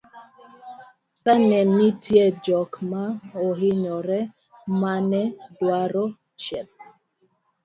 kacha ne nitie jok ma ohinyore mane dwaro chieth